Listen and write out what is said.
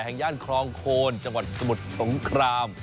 ย่านคลองโคนจังหวัดสมุทรสงคราม